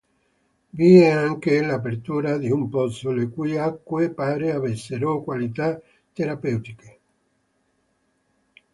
Vi è anche l'apertura di un pozzo, le cui acque pare avessero qualità terapeutiche.